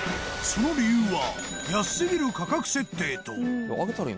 その理由は安すぎる価格設定と